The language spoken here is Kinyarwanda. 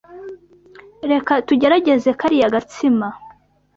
Reka tugerageze kariya gatsima.